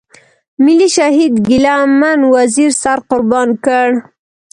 ملي شهيد ګيله من وزير سر قربان کړ.